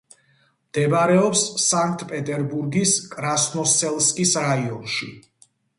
მდებარეობს სანქტ-პეტერბურგის კრასნოსელსკის რაიონში.